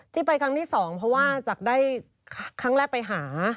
ไปครั้งที่สองเพราะว่าจากได้ครั้งแรกไปหา